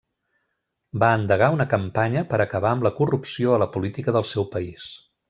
Va endegar una campanya per acabar amb la corrupció a la política del seu país.